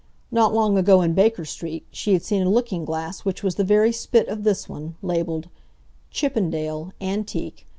Not long ago, in Baker Street, she had seen a looking glass which was the very spit of this one, labeled "Chippendale, Antique.